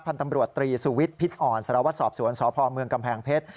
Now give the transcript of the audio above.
พันธ์ตำรวจตรีสุวิทย์พิษอ่อนสารวัตรสอบสวนสพเมืองกำแพงเพชร